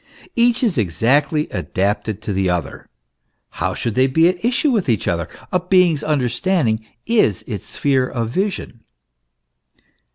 Each is exactly adapted to the other ; how should they he at issue with each other ? A being's understanding is its sphere of vision.